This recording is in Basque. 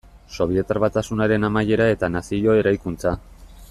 Sobietar Batasunaren amaiera eta nazio eraikuntza.